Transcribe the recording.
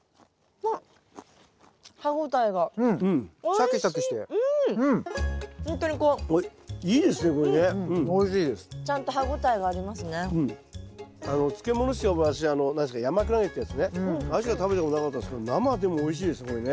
あれしか食べたことなかったですけど生でもおいしいですこれね。